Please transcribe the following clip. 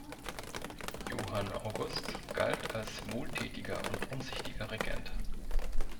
Johann August galt als wohltätiger und umsichtiger Regent.